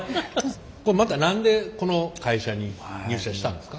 また何でこの会社に入社したんですか？